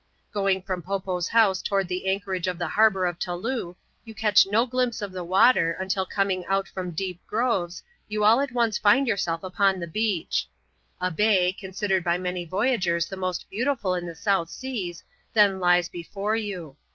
Groing from Po Po's house towards the anchorage of the har bour of Taloo, you catch no glimpse of the water, until coming out from deep groves, you all at once find yourself upon the beach. A bay, considered by many voyagers the most beauti ful in the South Seas, then lies before you.